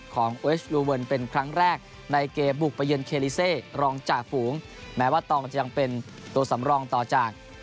ของเอชลูเวิร์นเป็นครั้งแรกในเกมบุกไปเยือนเคลิเซรองจ่าฝูงแม้ว่าตองจะยังเป็นตัวสำรองต่อจาก